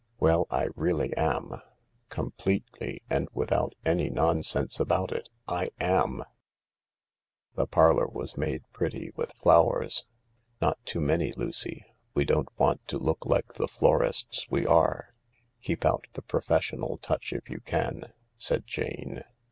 " Well — I really am ! Completely and without any nonsense about it, I ami" ..• S •• The parlour was made very pretty with flowers. (" Not too many," Lucy ; "we don't want to look like the florists we are. Keep out the professional touch if you can," said Jane.)